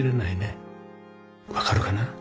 わかるかな？